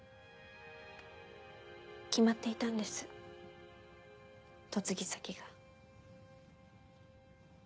決まっていたんです嫁ぎ先が。